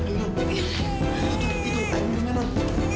itu airnya nang